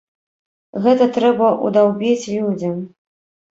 Гэта трэба ўдаўбіць людзям.